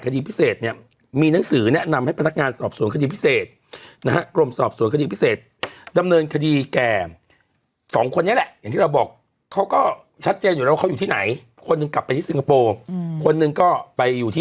คนหนึ่งก็ไปอยู่ที่ประเทศของข้างเกาหลี่หรือเปล่า